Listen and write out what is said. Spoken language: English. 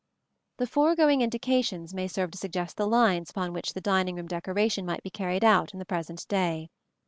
The foregoing indications may serve to suggest the lines upon which dining room decoration might be carried out in the present day.